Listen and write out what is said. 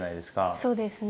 そうですね。